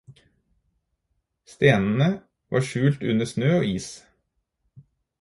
Stenene var skjult under snø og is.